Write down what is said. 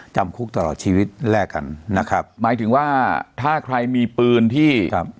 จำคุกตลอดชีวิตแลกกันนะครับหมายถึงว่าถ้าใครมีปืนที่ครับ